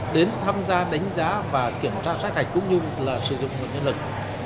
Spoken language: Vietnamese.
đến tham gia đánh giá và kiểm tra sát hạch cũng như là sử dụng nguồn nhân lực